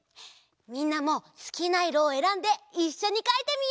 みんなもすきないろをえらんでいっしょにかいてみよう！